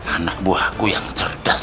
anak buahku yang cerdas